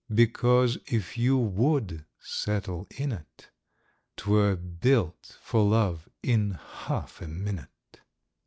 Because, if you would settle in it, 'Twere built, for love, in half a minute.